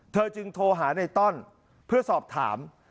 เธอจึงโทรหาในต้อนเพื่อสอบถาม